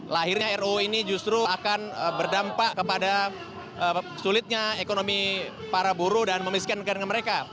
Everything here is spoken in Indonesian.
lahirnya ruu ini justru akan berdampak kepada sulitnya ekonomi para buruh dan memiskinkan mereka